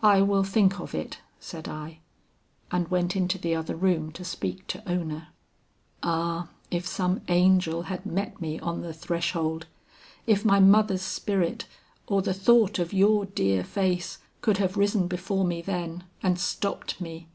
'I will think of it,' said I, and went into the other room to speak to Ona. "Ah, if some angel had met me on the threshold! If my mother's spirit or the thought of your dear face could have risen before me then and stopped me!